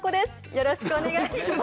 よろしくお願いします